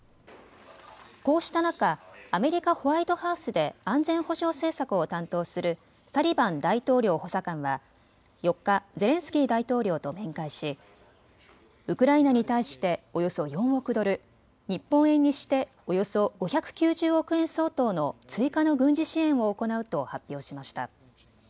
こうした中、アメリカ・ホワイトハウスで安全保障政策を担当するサリバン大統領補佐官は４日、ゼレンスキー大統領と面会しウクライナに対しておよそ４億ドル、日本円にしておよそ５９０億円相当の追加の軍事支援を行うと発表しました。